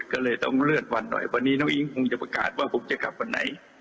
ก็เลยต้องเลื่อนวันหน่อยวันนี้น้องอิ๊งคงจะประกาศว่าผมจะกลับวันไหน